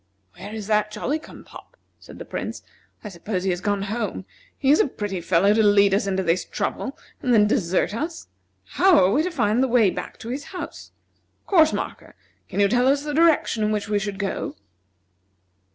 "Where is that Jolly cum pop?" said the Prince. "I suppose he has gone home. He is a pretty fellow to lead us into this trouble and then desert us! How are we to find the way back to his house? Course marker, can you tell us the direction in which we should go?"